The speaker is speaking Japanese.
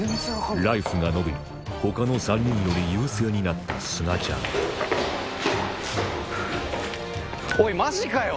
ライフが延び他の３人より優勢になったすがちゃんおいマジかよ！